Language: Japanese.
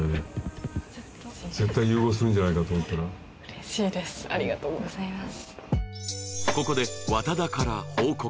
嬉しいですありがとうございます